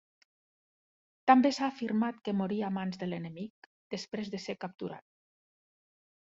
També s'ha afirmat que morí a mans de l'enemic, després de ser capturat.